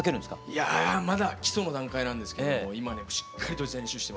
いやまだ基礎の段階なんですけど今しっかりと練習してます。